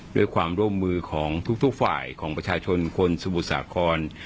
ด้วยความร่วมมือของทุกฝ่ายของประชาชนคนสมุทรสาคร